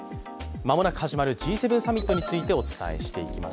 間もなく始まるＧ７サミットについてお伝えしていきます。